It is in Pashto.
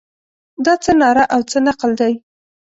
دا څه ناره او څه نقل دی.